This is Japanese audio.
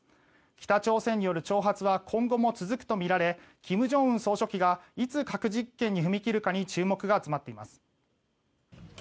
北朝鮮による挑発は今後も続くとみられ金正恩総書記がいつ核実験に踏み切るかに注目が集まっています。